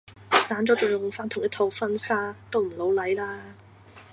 散咗仲用返同一套婚紗都唔老嚟啦